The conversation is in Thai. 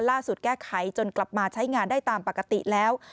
แก้ไขจนกลับมาใช้งานได้ตามปกติแล้ว